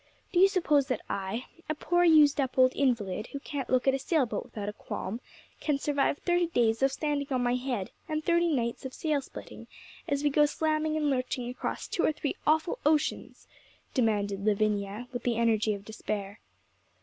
Do you suppose that I, a poor, used up old invalid, who can't look at a sail boat without a qualm, can survive thirty days of standing on my head, and thirty nights of sail splitting, as we go slamming and lurching across two or three awful oceans?' demanded Lavinia, with the energy of despair.